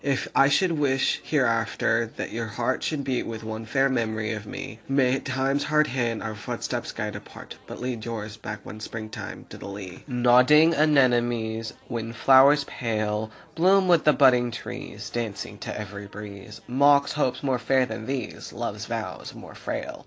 If I should wish hereafter that your heart Should beat with one fair memory of me, May Time's hard hand our footsteps guide apart, But lead yours back one spring time to the Lea. Nodding Anemones, Wind flowers pale, Bloom with the budding trees, Dancing to every breeze, Mock hopes more fair than these, Love's vows more frail.